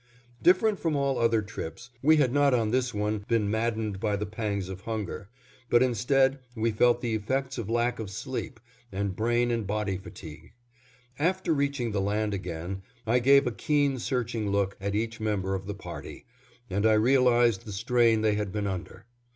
Different from all other trips, we had not on this one been maddened by the pangs of hunger, but instead we felt the effects of lack of sleep, and brain and body fatigue. After reaching the land again, I gave a keen searching look at each member of the party, and I realized the strain they had been under.